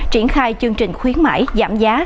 triển khai chương trình khuyến mãi giảm giá